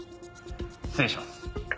「失礼します」